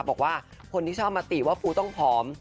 บอกว่าคนที่ชอบมาติว่าปูต้องผอม